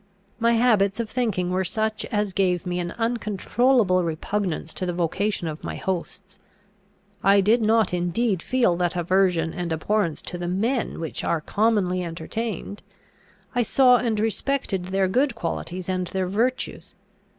My habits of thinking were such as gave me an uncontrollable repugnance to the vocation of my hosts. I did not indeed feel that aversion and abhorrence to the men which are commonly entertained. I saw and respected their good qualities and their virtues.